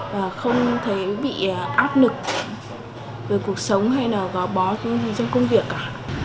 và không thấy bị áp lực về cuộc sống hay là có bó những gì trong công việc cả